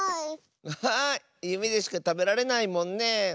アハーゆめでしかたべられないもんね。